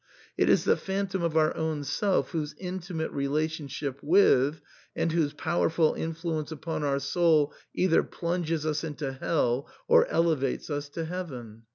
It is the phantom of our own self whose intimate relationship with, and whose powerful influence upon our soul either plunges us into hell or elevates us to heaven.